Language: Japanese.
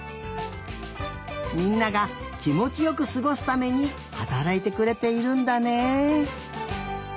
みんながきもちよくすごすためにはたらいてくれているんだね。